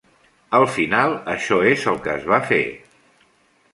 Al final, això és el que es va fer.